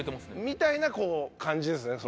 みたいな感じですね。